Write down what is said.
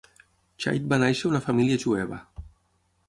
Chait va néixer a una família jueva.